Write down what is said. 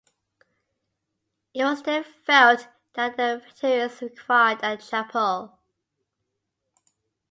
It was then felt that the veterans required a chapel.